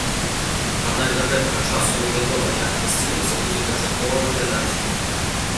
Аднак да гэтага часу не вядома, як гасцініца будзе канчаткова выглядаць.